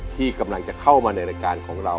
ที่กำลังจะเข้ามาในรายการของเรา